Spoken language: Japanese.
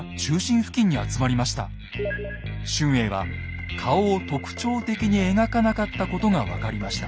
春英は顔を特徴的に描かなかったことが分かりました。